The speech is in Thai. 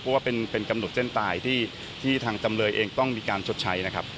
เพราะว่าเป็นกำหนดเส้นตายที่ทางจำเลยเองต้องมีการชดใช้นะครับ